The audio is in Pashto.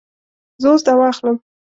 زه اوس دوا اخلم